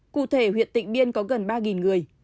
cụ thể huyện tịnh biên có gần ba người